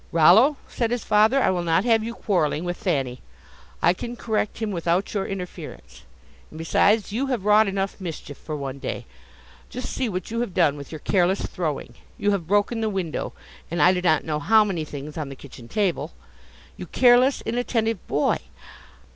"Rollo," said his father, "I will not have you quarreling with Thanny. I can correct him without your interference. And, besides, you have wrought enough mischief for one day. Just see what you have done with your careless throwing. You have broken the window, and I do not know how many things on the kitchen table. You careless, inattentive boy.